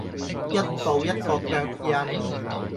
一步一個腳印